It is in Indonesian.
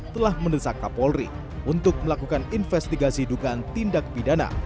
telah mendesak kapolri untuk melakukan investigasi dugaan tindak pidana